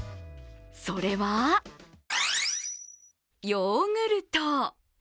それはヨーグルト。